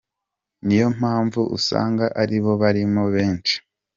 Niyo mpamvu usanga ari bo barimo benshi.